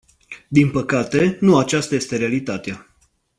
Din păcate, nu aceasta este realitatea.